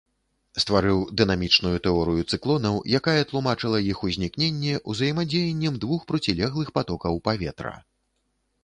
Стварыў дынамічную тэорыю цыклонаў, якая тлумачыла іх ўзнікненне узаемадзеяннем двух процілеглых патокаў паветра.